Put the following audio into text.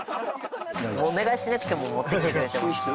お願いしなくても持ってきてくれて。